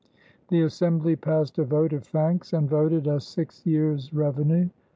The Assembly passed a vote of thanks and voted a six years' revenue.